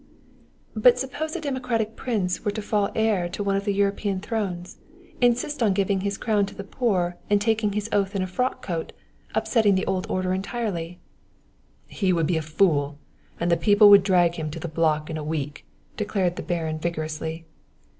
"But suppose a democratic prince were to fall heir to one of the European thrones, insist on giving his crown to the poor and taking his oath in a frock coat, upsetting the old order entirely " "He would be a fool, and the people would drag him to the block in a week," declared the Baron vigorously.